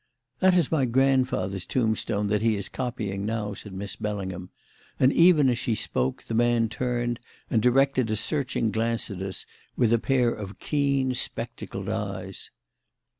"That is my grandfather's tombstone that he is copying now," said Miss Bellingham; and even as she spoke, the man turned and directed a searching glance at us with a pair of keen, spectacled eyes.